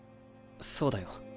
そうだよ。